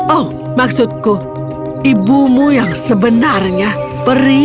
oh maksudku ibumu yang sebenarnya peri alana